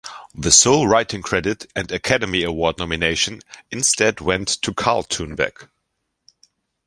The sole writing credit and Academy Award nomination instead went to Karl Tunberg.